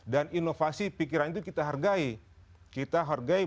dan inovasi pikiran itu kita hargai